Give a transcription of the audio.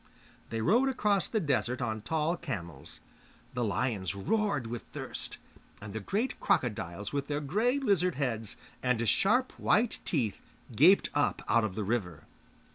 They rode across the desert on tall camels; the lions roared with thirst, and the great crocodiles with their grey lizard heads and sharp white teeth gaped up out of the river.